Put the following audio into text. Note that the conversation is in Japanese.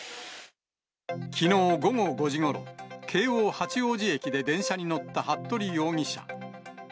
きのう午後５時ごろ、京王八王子駅で電車に乗った服部容疑者。